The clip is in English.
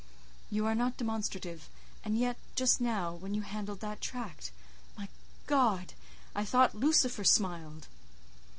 You are not demonstrative, and yet, just now—when you handled that tract—my God! I thought Lucifer smiled."